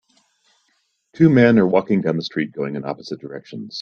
Two men are walking down the street going in opposite directions.